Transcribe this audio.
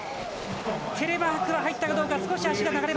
テレマークは入ったかどうか。